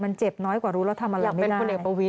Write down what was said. มันเจ็บน้อยกว่ารู้แล้วทำอะไรไม่ได้